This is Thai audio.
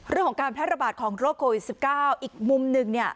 เรื่องของการแพร่ระบาดของโรคโควิด๑๙อีกมุมหนึ่งเนี่ย